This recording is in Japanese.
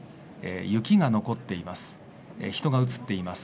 雪が残っています。